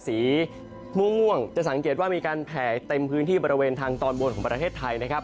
สีม่วงจะสังเกตว่ามีการแผ่เต็มพื้นที่บริเวณทางตอนบนของประเทศไทยนะครับ